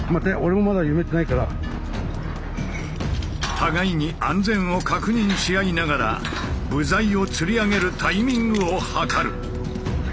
互いに安全を確認し合いながら部材をつり上げるタイミングをはかる。